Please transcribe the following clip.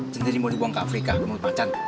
centini mau dibuang ke afrika ke mulut macan